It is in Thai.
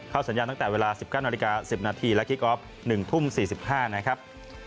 สัญญาณตั้งแต่เวลา๑๙นาฬิกา๑๐นาทีและคิกออฟ๑ทุ่ม๔๕นะครับ